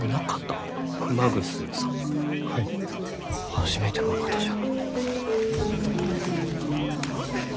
初めてのお方じゃ。